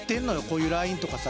こういうラインとかさ